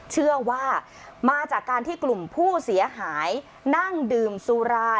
เชื่อว่ามาจากการที่กลุ่มผู้เสียหายนั่งดื่มสุรา